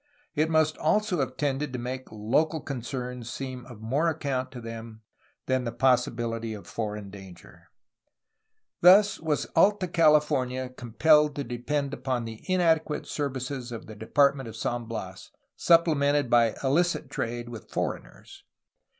It must also have tended to make local concerns seem of more account to them than the possibiUty of foreign danger. Thus was Alta California compelled to depend upon the inadequate services of the Department of San Bias, supple mented by illicit trade with foreigners.